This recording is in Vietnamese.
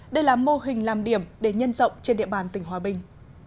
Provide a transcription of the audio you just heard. đây là mô hình làm điểm để nhân rộng trên địa bàn tỉnh hòa bình